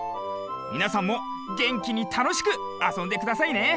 みなさんもげんきにたのしくあそんでくださいね。